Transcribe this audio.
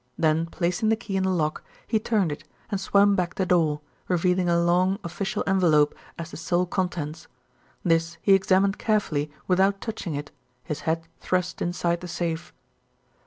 Then placing the key in the lock he turned it, and swung back the door, revealing a long official envelope as the sole contents. This he examined carefully without touching it, his head thrust inside the safe.